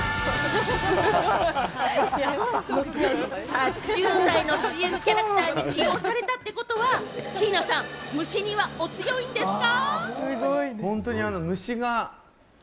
殺虫剤のＣＭキャラクターに起用されたってことはＫｉｉｎａさん、虫にはお強いんですか？